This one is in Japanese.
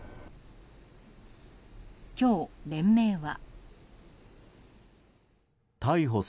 今日、連盟は。